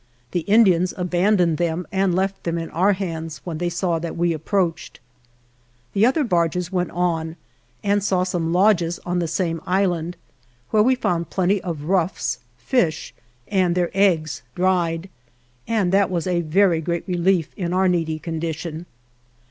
The Indians abandoned them and left them in our hands, when they saw that we approach ed. The other barges went on and saw some lodges on the same island, where we found plenty of ruffs and their eggs, dried, and that was a very great relief in our needy condition.